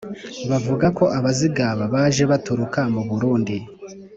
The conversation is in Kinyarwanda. bavuga ko abazigaba baje baturuka mu burundi